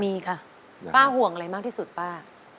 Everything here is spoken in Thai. มีค่ะป้าห่วงอะไรมากที่สุดป้า